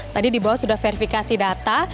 tadi di bawah sudah verifikasi data